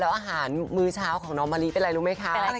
แล้วอาหารมื้อเช้าของน้องมะลิเป็นอะไรรู้ไหมคะ